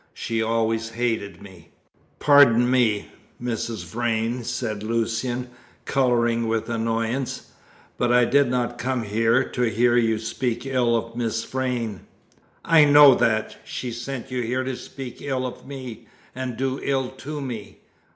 She always hated me." "Pardon me, Mrs. Vrain," said Lucian, colouring with annoyance, "but I did not come here to hear you speak ill of Miss Vrain." "I know that! She sent you here to speak ill of me and do ill to me.